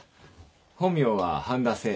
本名は半田清。